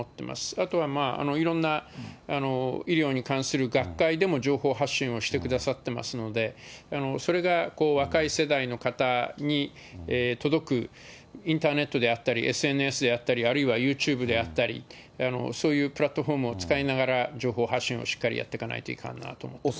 あとはまあ、いろんな医療に関する学会でも情報発信をしてくださっていますので、それが若い世代の方に届くインターネットであったり、ＳＮＳであったり、あるいはユーチューブであったり、そういうプラットホームを使いながら、情報発信をしっかりやっていかないといかんなと思っております。